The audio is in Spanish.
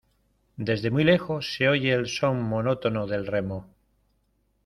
desde muy lejos se oye el son monótono del remo.